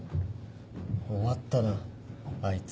終わったなあいつ。